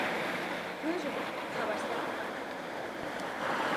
প্রয়োজনে খাবার স্যালাইন পান করতে হবে।